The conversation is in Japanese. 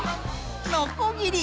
のこぎり。